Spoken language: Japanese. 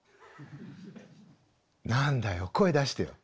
何だよ声出してよ。